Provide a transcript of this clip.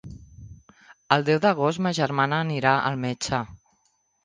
El deu d'agost ma germana anirà al metge.